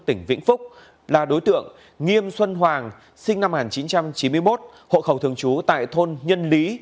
tỉnh vĩnh phúc là đối tượng nghiêm xuân hoàng sinh năm một nghìn chín trăm chín mươi một hộ khẩu thường trú tại thôn nhân lý